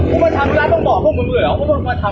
กูมาทำร้านต้องบอกพวกมึงเหลืออ่ะ